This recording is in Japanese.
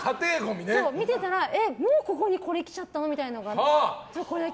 見てたらもうここにこれ来ちゃったの？みたいな。